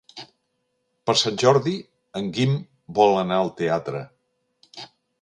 Per Sant Jordi en Guim vol anar al teatre.